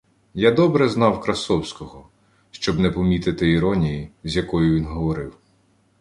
Я добре знав Красовського, щоб не помітити іронії, з якою він говорив.